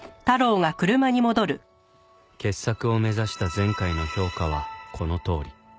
傑作を目指した前回の評価はこのとおり